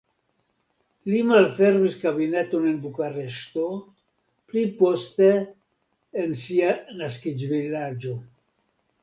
Li malfermis kabineton en Bukareŝto, pli poste en sia naskiĝvilaĝo.